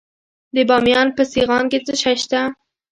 د بامیان په سیغان کې څه شی شته؟